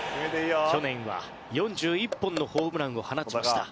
去年は４１本のホームランを放ちました。